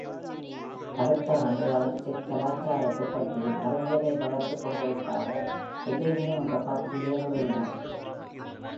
அடுத்த ஆண்டு அவர் செக் கலாச்சாரத்தைப் பற்றியும் அறிவியலை வளர்த்து கொள்வதற்காக "ஏதெனியம்" என்ற பத்திரிகையை நிறுவினார்.